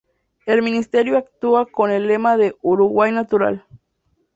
El ministerio actúa con el lema de "Uruguay Natural".